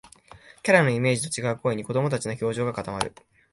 キャラのイメージと違う声に、子どもたちの表情が固まる